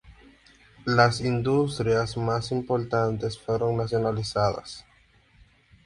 Las industrias más importantes fueron nacionalizadas.